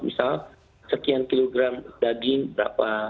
misal sekian kilogram daging berapa